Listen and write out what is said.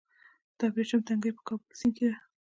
د ابریشم تنګی په کابل سیند کې دی